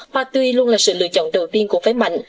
hoa tươi luôn là sự lựa chọn đầu tiên của phái mạnh